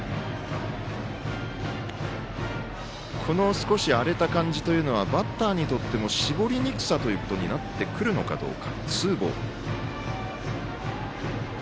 少し荒れた感じというのはバッターにとっても絞りにくさということになってくるのかどうか。